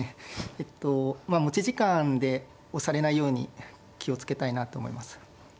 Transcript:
えっとまあ持ち時間で押されないように気を付けたいなと思います。